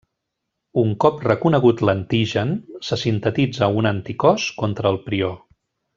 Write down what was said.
Un cop reconegut l'antigen, se sintetitza un anticòs contra el prió.